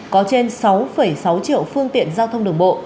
có trên sáu sáu triệu phương tiện giao thông đường bộ